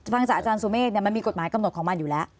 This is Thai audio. ฟังจากอาจารย์สุเมฆมันมีกฎหมายกำหนดของมันอยู่แล้ว